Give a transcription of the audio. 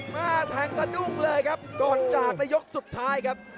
มาแทงสะดุ้งเลยครับก่อนจากในยกสุดท้ายครับ